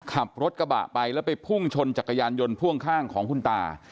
ขับรถกระบะไปแล้วไปพุ่งชนจักรยานยนต์พ่วงข้างของคุณตา